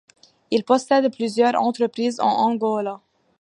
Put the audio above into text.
Il possède plusieurs entreprises en Angola.